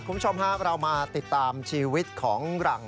คุณผู้ชมครับเรามาติดตามชีวิตของหลัง